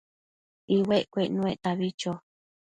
iuecquio icnuectabi cho